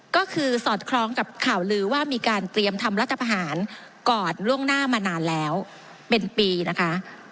ก็คือสอดคล้องกับข่าวลือว่ามีการเตรียมทำรัฐประหารก่อนล่วงหน้ามานานแล้วเป็นปีนะคะ